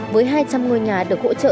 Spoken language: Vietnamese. với hai trăm linh ngôi nhà được hỗ trợ